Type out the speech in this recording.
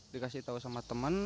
dikasih tahu sama teman